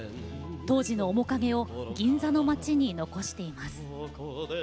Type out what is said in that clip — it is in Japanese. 当時の面影を銀座の街に残しています。